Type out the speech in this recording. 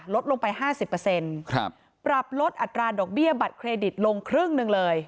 ลดลงไปห้าสิบเปอร์เซ็นต์ครับปรับลดอัตราดอกเบี้ยบัตรเครดิตลงครึ่งหนึ่งเลย